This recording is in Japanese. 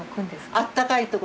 あったかい所？